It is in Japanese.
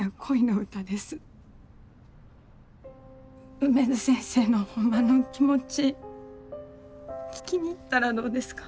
梅津先生のホンマの気持ち聞きに行ったらどうですか？